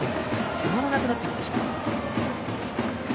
止まらなくなってきました。